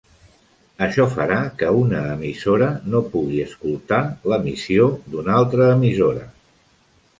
Això farà que una emissora no pugui "escoltar" l'emissió d'una altra emissora.